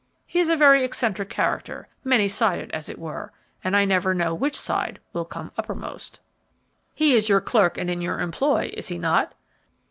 He is a very eccentric character, many sided as it were, and I never know which side will come uppermost." "He is your clerk and in your employ, is he not?"